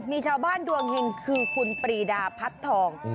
มีชาวบ้านดวงเห็งคือคุณปรีดาพัดทอง